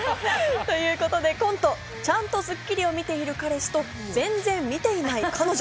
コント、ちゃんと『スッキリ』を見てる彼氏と全然見ていない彼女。